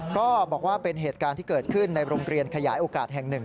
ก็บอกว่าเป็นเหตุการณ์ที่เกิดขึ้นในโรงเรียนขยายโอกาสแห่งหนึ่ง